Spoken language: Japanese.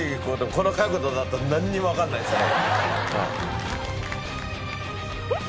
この角度だとなんにもわからないですね。